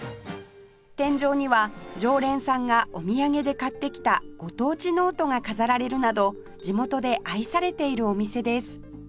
天井には常連さんがお土産で買ってきたご当地ノートが飾られるなど地元で愛されているお店です